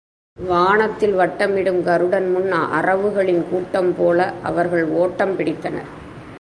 வானத்தில் வட்டமிடும் கருடன் முன் அரவுகளின் கூட்டம் போல அவர்கள் ஒட்டம் பிடித்தனர்.